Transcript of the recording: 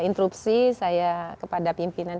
interupsi saya kepada pimpinan